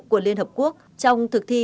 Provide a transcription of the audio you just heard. của liên hợp quốc trong thực thi